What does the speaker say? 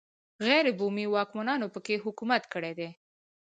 غیر بومي واکمنانو په کې حکومت کړی دی.